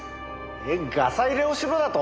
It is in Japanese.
ガサ入れをしろだと！？